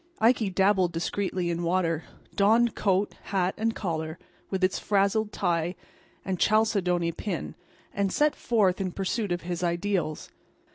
Ikey dabbled discreetly in water, donned coat, hat and collar with its frazzled tie and chalcedony pin, and set forth in pursuit of his ideals.